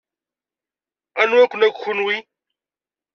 Anwa-ken akk kenwi?